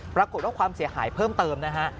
ปรากฏว่าความเสียหายเพิ่มเติมนะฮะ